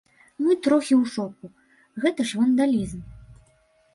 Мы трохі ў шоку, гэта ж вандалізм.